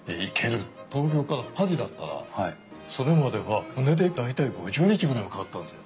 東京からパリだったらそれまでは船で大体５０日ぐらいかかったんですよ。